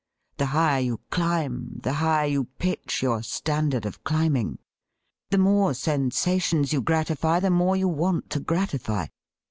The higher you climb, the higher you pitch your standard of climbing. The more sensations you gratify, the more you want to gratify.